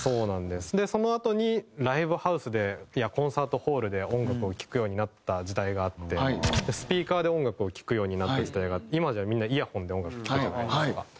そのあとにライブハウスでコンサートホールで音楽を聴くようになった時代があってスピーカーで音楽を聴くようになった時代があって今じゃみんなイヤフォンで音楽聴くじゃないですか。